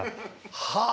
はあ。